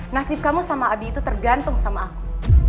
nasib kamu sama abi itu tergantung sama aku